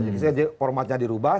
nah jadi formatnya dirubah